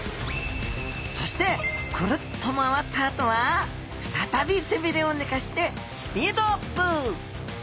そしてクルッと回ったあとは再び背鰭を寝かせてスピードアップ。